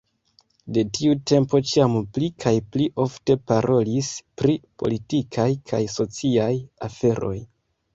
De tiu tempo ĉiam pli kaj pli ofte parolis pri politikaj kaj sociaj aferoj.